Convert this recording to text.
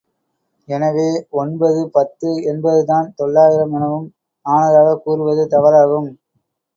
எனவே, ஒன்பது பத்து என்பதுதான் தொள்ளாயிரம் எனவும் ஆனதாகக் கூறுவது தவறாகும்.